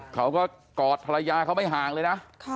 กอดภรรยาเขาไม่ห่างเลยนะ